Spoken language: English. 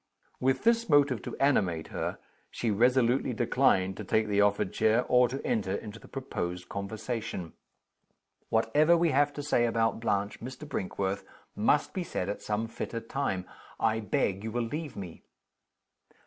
With this motive to animate her, she resolutely declined to take the offered chair, or to enter into the proposed conversation. "Whatever we have to say about Blanche, Mr. Brinkworth, must be said at some fitter time. I beg you will leave me."